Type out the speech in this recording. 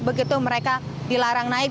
begitu mereka dilarang naik